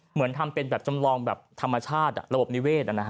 เหมือนทำเป็นแบบจำลองแบบธรรมชาติระบบนิเวศ